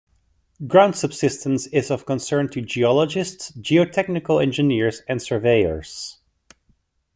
Ground subsidence is of concern to geologists, geotechnical engineers and surveyors.